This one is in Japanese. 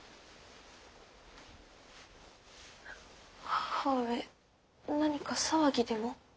母上何か騒ぎでも？